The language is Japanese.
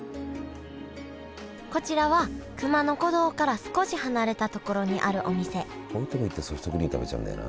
こちらは熊野古道から少し離れたところにあるお店こういうとこに行くとソフトクリーム食べちゃうんだよな。